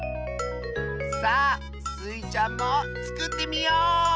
さあスイちゃんもつくってみよう！